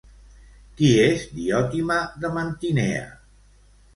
Qui és Diòtima de Mantinea?